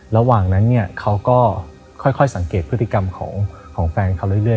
ระหว่างนั้นเนี่ยเขาก็ค่อยสังเกตพฤติกรรมของแฟนเขาเรื่อย